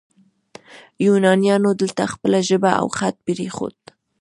یونانیانو دلته خپله ژبه او خط پریښود